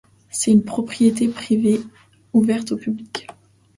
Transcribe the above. C'est une propriété privée ouverte au public.